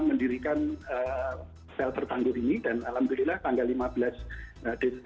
nah kemudian kita lanjutkan diskusi keesokan harinya dan akhirnya kita sepakat untuk membuat kenapa kita tidak bisa masuk